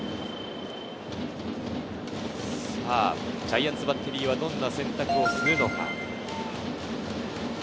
ジャイアンツバッテリーはどんな選択をするのか？